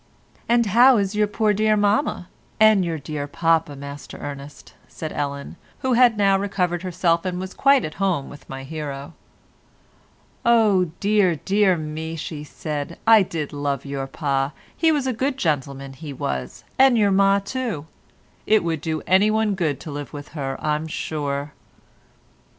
"And how is your pore dear mamma, and your dear papa, Master Ernest," said Ellen, who had now recovered herself and was quite at home with my hero. "Oh, dear, dear me," she said, "I did love your pa; he was a good gentleman, he was, and your ma too; it would do anyone good to live with her, I'm sure."